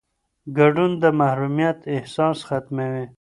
ګډون د محرومیت احساس ختموي